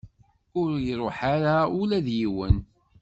Ur iruḥ ara ula d yiwen.